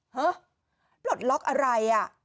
หึปลดล็อคอะไร